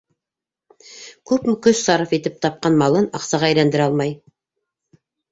Күпме көс сарыф итеп тапҡан малын аҡсаға әйләндерә алмай.